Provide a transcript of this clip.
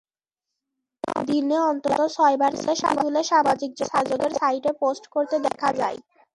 দিনে অন্তত ছয়বার সেলফি তুলে সামাজিক যোগাযোগের সাইটে পোস্ট করতে দেখা যায়।